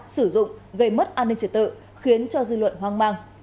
sử dụng gây mất an ninh trật tự khiến cho dư luận hoang mang